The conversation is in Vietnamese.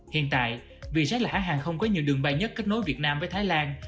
hiện tại vietjet là hãng hàng không có nhiều đường bay nhất kết nối việt nam với thái lan